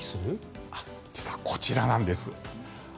実はこちらなんです。